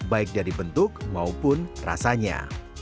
baik dari bentuk maupun rasanya